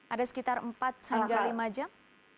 ada sekitar empat hingga lima jam